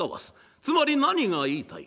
つまり何が言いたいか。